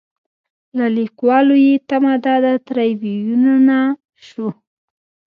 له لیکوالو یې تمه دا ده تریبیونونه شو.